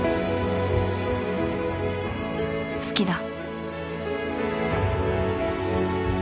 好きだ